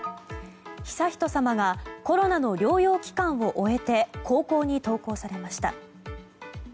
悠仁さまがコロナの療養期間を終えて高校に登校されました。